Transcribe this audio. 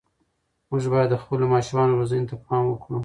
موږ باید د خپلو ماشومانو روزنې ته پام وکړو.